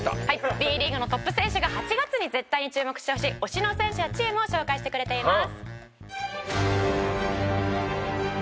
Ｂリーグのトップ選手が８月に絶対に注目してほしい推しの選手やチームを紹介してくれています。